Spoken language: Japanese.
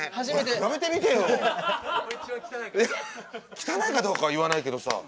汚いかどうかは言わないけどさ。